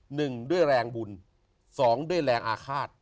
หนึ่งด้วยแรงบุญสองด้วยแรงอาฆาต